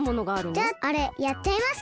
じゃああれやっちゃいますか。